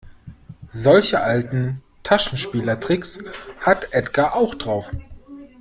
Solche alten Taschenspielertricks hat Edgar auch drauf.